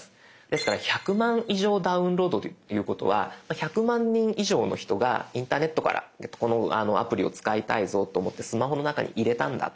ですから１００万以上ダウンロードということは１００万人以上の人がインターネットからこのアプリを使いたいぞと思ってスマホの中に入れたんだ